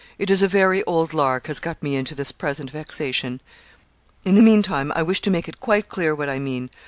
It is a very old lark has got me into this present vexation. In the meantime, I wish to make it quite clear what I mean.